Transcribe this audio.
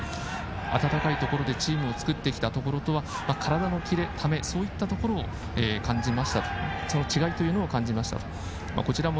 暖かいところでチームを作ってきたところとは体のキレ、ためそういったところその違いを感じましたと。